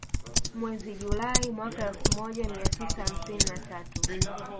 Mwezi Julai mwaka elfu moja mia tisa hamsini na tatu